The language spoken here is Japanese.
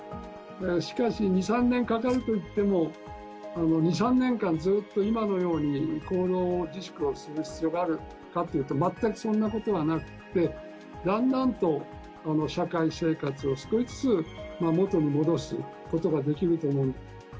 しかし、２、３年かかるといっても、２、３年間ずっと今のように行動自粛をする必要があるかというと、全くそんなことはなくて、だんだんと社会生活を少しずつ元に戻すことができると思う。